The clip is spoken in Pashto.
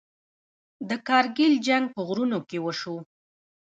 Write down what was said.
د کارګیل جنګ په غرونو کې وشو.